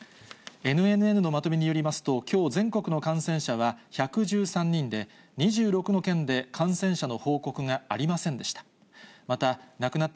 ＮＮＮのまとめによりますと、きょう、全国の感染者は１１３人で、２６の県で感染者の報告がありませんでした。